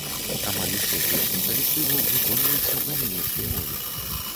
Амаль усе песні калектыву выконваюцца на нямецкай мове.